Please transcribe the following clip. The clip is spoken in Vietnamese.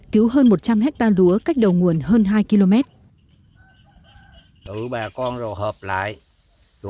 cứu hơn một trăm linh hectare lúa